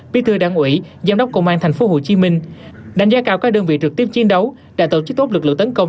bí thư đảng ủy giám đốc công an tp hcm đánh giá cao các đơn vị trực tiếp chiến đấu đã tổ chức tốt lực lượng tấn công